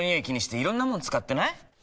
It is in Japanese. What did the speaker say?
気にしていろんなもの使ってない？